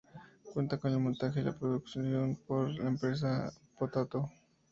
Cuenta en el montaje y la posproducción con la empresa Potato.